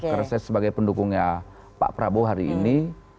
karena saya sebagai pendukungnya pak prabowo hari ini